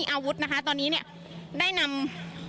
คุณภาคภูมิพยายามอยู่ในจุดที่ปลอดภัยด้วยนะคะ